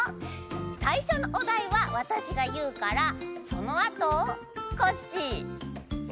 さいしょのおだいはわたしがいうからそのあとコッシースイちゃんデテコサボさん